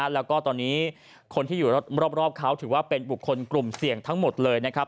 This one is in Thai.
แล้วก็ตอนนี้คนที่อยู่รอบเขาถือว่าเป็นบุคคลกลุ่มเสี่ยงทั้งหมดเลยนะครับ